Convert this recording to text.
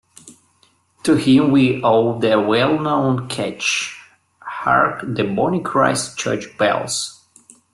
To him we owe the well-known catch, Hark, the bonny Christ Church bells.